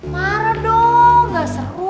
marah dong gak seru